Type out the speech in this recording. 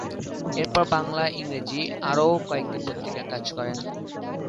এরপর বাংলা ও ইংরেজি আরও কয়েকটি পত্রিকায় কাজ করেন।